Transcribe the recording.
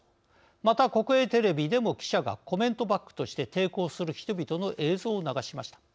また、国営テレビでも記者がコメントバックとして抵抗する人々の映像を流しました。